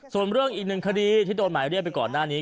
ส่วนเรื่องอีกหนึ่งคดีที่โดนหมายเรียกไปก่อนหน้านี้